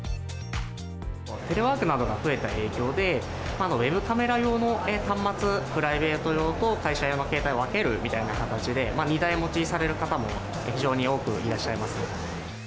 テレワークなどが増えた影響で、ウェブカメラ用の端末、プライベート用と会社用の携帯を分けるみたいな形で、２台持ちされる方も非常に多くいらっしゃいます。